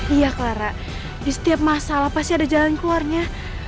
iya clara di setiap masalah pasti ada jalan keluarnya